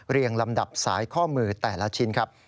ลำดับสายข้อมือแต่ละชิ้นครับ